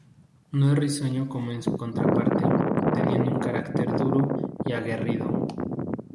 No es risueño como en su contraparte, teniendo un carácter duro y aguerrido.